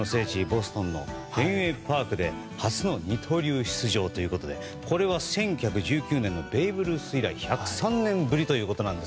ボストンのフェンウェイ・パークで初の二刀流出場ということでこれは、１９１９年ベーブ・ルース以来１０３年ぶりという。